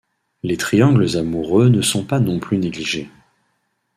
Les triangles amoureux ne sont pas non plus négligés.